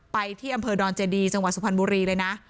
ไปที่อำเภอดอนเจดีจังหวัดสุพรรณบุรีเลยนะ